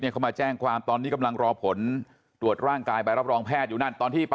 เขามาแจ้งความตอนนี้กำลังรอผลตรวจร่างกายไปรับรองแพทย์อยู่นั่นตอนที่ไป